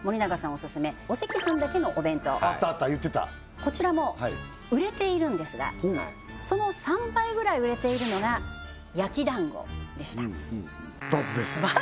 オススメお赤飯だけのお弁当あったあった言ってたこちらも売れているんですがその３倍ぐらい売れているのが焼き団子でした×です